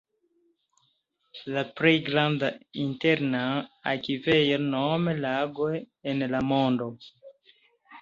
La plej granda interna akvejo nome lago en la mondo.